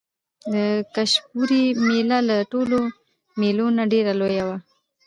د کلشپورې مېله له ټولو مېلو نه ډېره لویه وه.